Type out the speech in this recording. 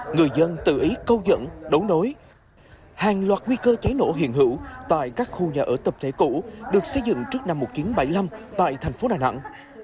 người dân tự ý câu dẫn đấu nối hàng loạt nguy cơ cháy nổ hiện hữu tại các khu nhà ở tập thể cũ được xây dựng trước năm một nghìn chín trăm bảy mươi năm tại thành phố đà nẵng